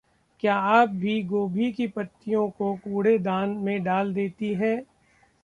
क्या आप भी गोभी की पत्तियों को कूड़ेदान में डाल देती हैं